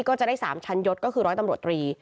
ก็จะได้๓ชั้นยศก็คือร้อยตำรวจตรี